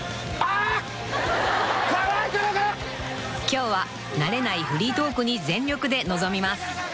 ［今日は慣れないフリートークに全力で臨みます］